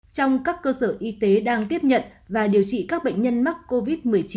trong các cơ sở y tế đang tiếp nhận và điều trị các bệnh nhân mắc covid một mươi chín